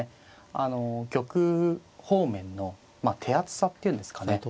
あの玉方面の手厚さっていうんですかね。